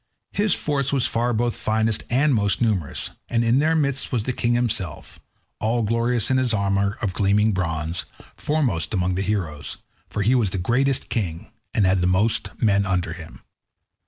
His force was far both finest and most numerous, and in their midst was the king himself, all glorious in his armour of gleaming bronze—foremost among the heroes, for he was the greatest king, and had most men under him.